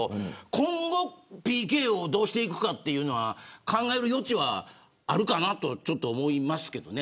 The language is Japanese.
今後、ＰＫをどうしていくかというのは考える余地はあるかなとちょっと思いますけどね。